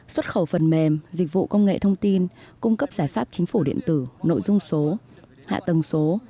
xuất khẩu phần mềm dịch vụ công nghệ thông tin cung cấp giải pháp chính phủ điện tử nội dung số hạ tầng số